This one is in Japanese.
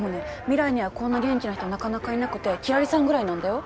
未来にはこんな元気な人なかなかいなくて輝星さんぐらいなんだよ